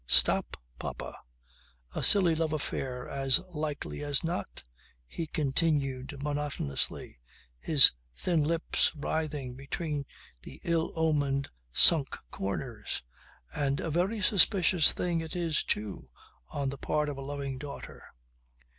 "Stop, papa." "A silly love affair as likely as not," he continued monotonously, his thin lips writhing between the ill omened sunk corners. "And a very suspicious thing it is too, on the part of a loving daughter."